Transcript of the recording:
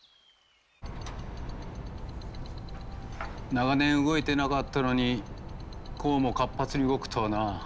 長年動いてなかったのにこうも活発に動くとはな。